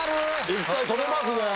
一回止めますね。